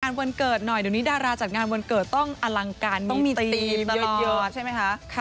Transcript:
วันเกิดหน่อยเดี๋ยวนี้ดาราจัดงานวันเกิดต้องอลังการต้องมีธีมเยอะใช่ไหมคะ